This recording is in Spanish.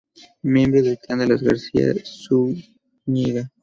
Miembro del clan de los García de Zúñiga.